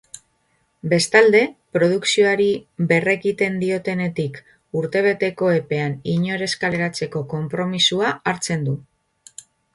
Bestalde, produkzioari berrekiten diotenetik urtebeteko epean inor ez kaleratzeko konpromisoa hartzen du.